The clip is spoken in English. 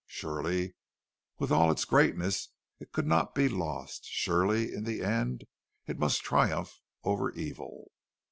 Surely with all its greatness it could not be lost; surely in the end it must triumph over evil.